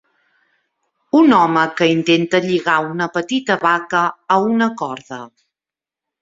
Un home que intenta lligar una petita vaca amb una corda.